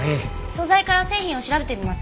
素材から製品を調べてみます。